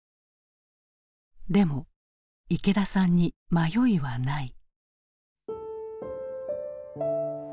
でも池田さんに迷いはない。